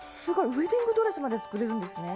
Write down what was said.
ウエディングドレスまで作れるんですね！